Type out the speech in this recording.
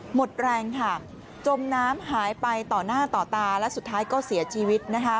หมดแรงค่ะจมน้ำหายไปต่อหน้าต่อตาและสุดท้ายก็เสียชีวิตนะคะ